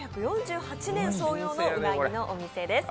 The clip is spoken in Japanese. １９４８年創業のうなぎのお店です。